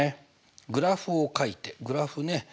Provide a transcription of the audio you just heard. グラフをかいてグラフね。